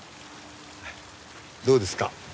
どうですか？